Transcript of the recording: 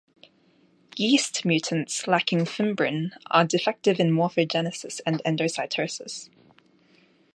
Yeast mutants lacking fimbrin are defective in morphogenesis and endocytosis.